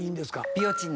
ビオチン。